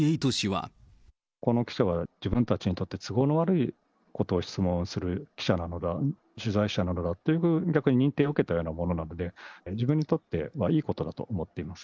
この記者は自分たちにとって都合の悪いことを質問する記者なのだ、取材者なのだというふうに、逆に認定を受けたようなものなので、自分にとってはいいことだと思っています。